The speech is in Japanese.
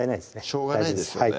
しょうがないですよね